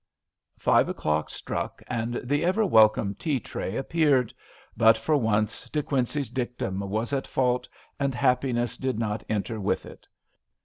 Five o'clock struck, and the ever welcome tea tray appeared, but for once De Quincey's dictum was at fault, and happiness did not enter with it.